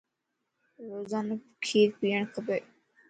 روزانو کير پيئڻ کپا